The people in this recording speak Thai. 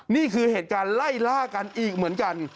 นี่คือเหตุการณ์ไล่ล่ากันอีกเหมือนกัน